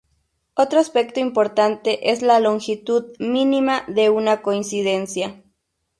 Otro aspecto importante es la longitud mínima de una coincidencia.